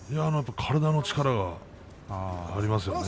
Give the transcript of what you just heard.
体の力がありますよね